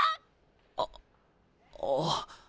あっああっ。